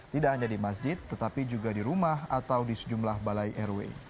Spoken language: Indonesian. tidak hanya di masjid tetapi juga di rumah atau di sejumlah balai rw